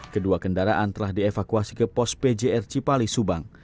kedua kendaraan telah dievakuasi ke pos pjr cipali subang